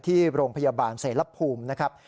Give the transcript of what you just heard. ที่โรงพยาบาลเสรภูมินะครับ